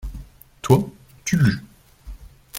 Toi, tu lus.